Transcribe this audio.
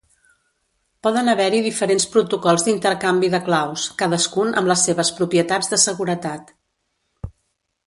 Poden haver-hi diferents protocols d"intercanvi de claus, cadascun amb les seves propietats de seguretat.